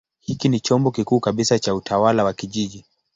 Hiki ni chombo kikuu kabisa cha utawala wa kijiji.